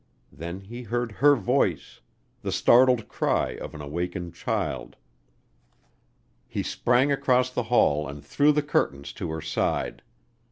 Then he heard her voice, the startled cry of an awakened child. He sprang across the hall and through the curtains to her side.